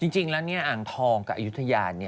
จริงแล้วเนี่ยอ่านทองกับอยุธยานเนี่ย